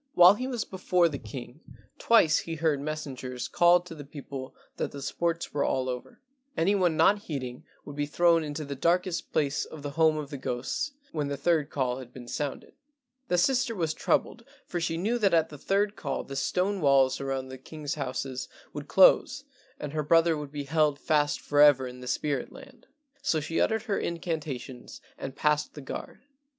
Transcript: While he was before the king twice he heard messengers call to the people that the sports were all over; any one not heeding would be thrown into the darkest place of the home of the ghosts when the third call had been sounded. The sister was troubled, for she knew that at the third call the stone walls around the king's houses would close and her brother would be held fast forever in the spirit land, so she uttered her incantations and passed the guard.